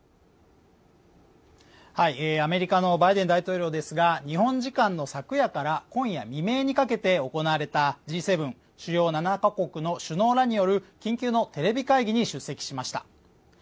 アメリカのバイデン大統領ですが日本時間の昨夜から今夜未明にかけて行われたＧ７＝主要７カ国の首脳らによる緊急のテレビ会議に出席しました。